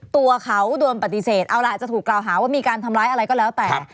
ตัวเขาโดนปฏิเสธเอาล่ะจะถูกกล่าวหาว่ามีการทำร้ายอะไรก็แล้วแต่